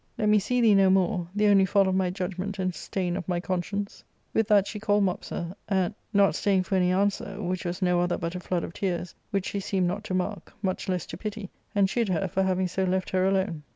Let me see thee no more, the only fall of my judgment and stain of my conscience.*' With that she called Mopsa, not staying for any answer, which was no Other but a fiood of tears, which she seemed not to mark, much less to pity, and chid her for having so left her alone.